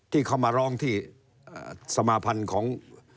ที่เขามาร้องที่สมาพันธ์ของ